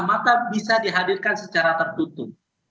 maka bisa dihadirkan secara tertutup